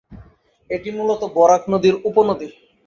এটি মুলত বরাক নদীর উপনদী।